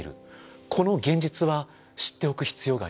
この現実は知っておく必要があります。